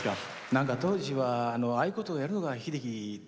なんか当時はああいうことをやるのが秀樹で。